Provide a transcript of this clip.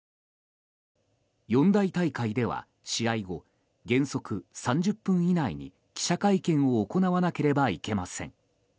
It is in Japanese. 四大大会では試合後原則、３０分以内に記者会見を行わなければいけません。